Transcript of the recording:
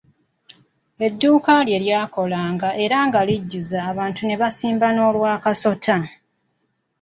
Edduuka lye lyakolanga era nga lijjuza abantu ne basimba n'olw'akasota.